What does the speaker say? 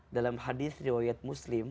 dalam hadith riwayat muslim